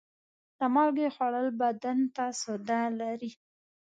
د مالګې خوړل بدن ته سوده لري.